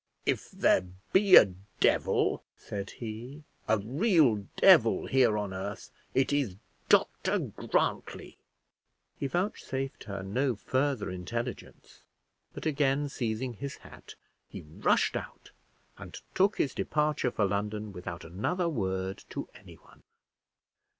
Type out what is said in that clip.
"If there be a devil," said he, "a real devil here on earth, it is Dr Grantly." He vouchsafed her no further intelligence, but again seizing his hat, he rushed out, and took his departure for London without another word to anyone.